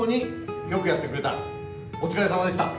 お疲れさまでした。